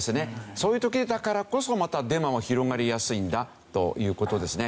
そういう時だからこそまたデマが広がりやすいんだという事ですね。